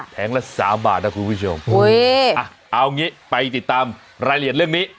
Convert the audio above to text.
งละสามบาทนะคุณผู้ชมเอางี้ไปติดตามรายละเอียดเรื่องนี้